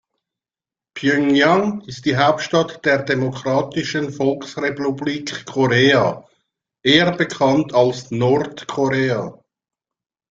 Pjöngjang ist die Hauptstadt der Demokratischen Volksrepublik Korea, eher bekannt als Nordkorea.